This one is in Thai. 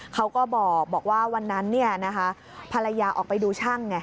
เขาก็บอกว่าวันนั้นภรรยาออกไปดูช่างไง